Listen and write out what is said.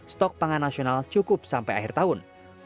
stok pangan nasional cukup sampai akhir tahun